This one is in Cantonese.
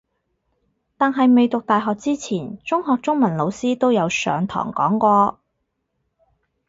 但係未讀大學之前中學中文老師都有上堂讀過